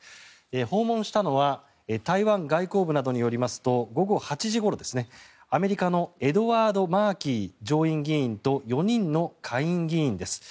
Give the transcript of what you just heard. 訪問したのは台湾外交部などによりますと午後８時ごろアメリカのエドワード・マーキー上院議員と４人の下院議員です。